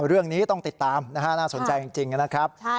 เรื่องนี้ต้องติดตามนะฮะน่าสนใจจริงนะครับ